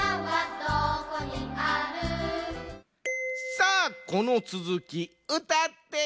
さあこのつづき歌ってや。